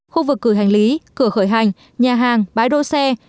khu vực cử hành lý cửa khởi hành nhà hàng bãi đô xe